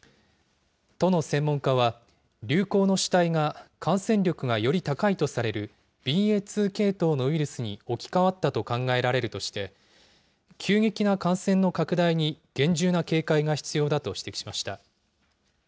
都の専門家は、流行の主体が感染力がより高いとされるＢＡ．２系統のウイルスに置き換わったと考えられるとして、急激な感染の拡大に厳重な警戒が必要だと指摘しました。